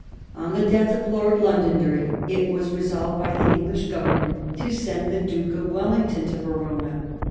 On the death of Lord Londonderry it was resolved by the English Government to send the Duke of Wellington to Verona.